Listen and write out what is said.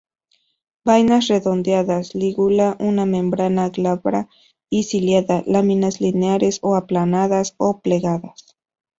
Vainas redondeadas; lígula una membrana, glabra o ciliada; láminas lineares, aplanadas o plegadas.